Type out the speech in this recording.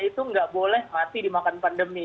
itu nggak boleh mati dimakan pandemi